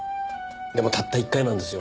でもたった１回なんですよ。